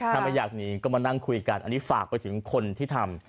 ถ้าไม่อยากหนีก็มานั่งคุยกันอันนี้ฝากไปถึงคนที่ทำ